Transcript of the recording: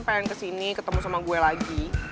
pengen kesini ketemu sama gue lagi